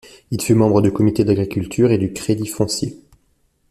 Il fut membre du comité de l'agriculture et du Crédit foncier.